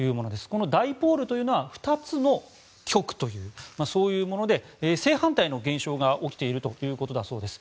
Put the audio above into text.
このダイポールというのは２つの極というそういうもので正反対の現象が起きているということだそうです。